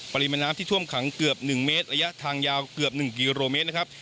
ปริมาณน้ำที่ท่วมขังเกือบ๑เมตรระยะทางยาวเกือบ๑กิโลเมตรนะครับ